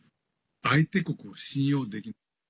相手国を信用できない。